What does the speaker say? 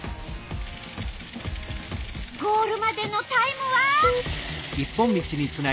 ゴールまでのタイムは。